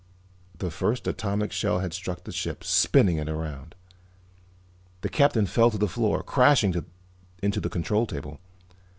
The first atomic shell had struck the ship, spinning it around. The Captain fell to the floor, crashing into the control table.